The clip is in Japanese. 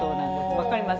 分かります？